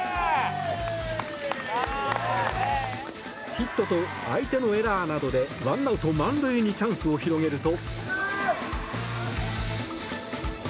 ヒットと相手のエラーなどで１アウト満塁にチャンスを広げると。